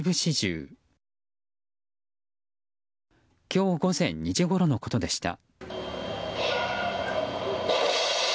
今日午前２時ごろのことでした。